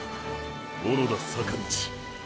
小野田坂道。